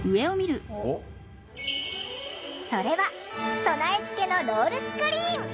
それは備え付けのロールスクリーン。